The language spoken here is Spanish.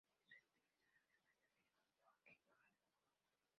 Su estilo es una mezcla de New Wave y Hard Pop.